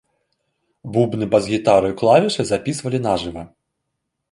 Бубны, бас-гітару і клавішы запісвалі на жыва.